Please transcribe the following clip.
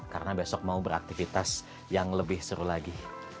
karena besok mau beraktivitas yang lebih seru lagi